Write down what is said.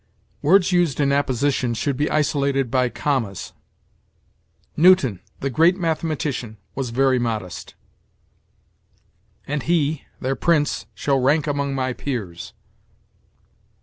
Words used in apposition should be isolated by commas. "Newton, the great mathematician, was very modest." "And he, their prince, shall rank among my peers."